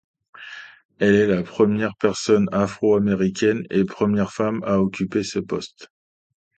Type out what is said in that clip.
Elle est la première personne afro-américaine et première femme à occuper ce poste.